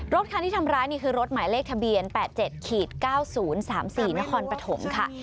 คันที่ทำร้ายนี่คือรถหมายเลขทะเบียน๘๗๙๐๓๔นครปฐมค่ะ